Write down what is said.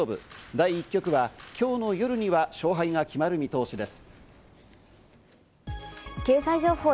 第１局は今日の夜には勝敗が決まる見通しです。